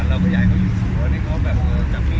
แล้วดีหรืออย่างนี้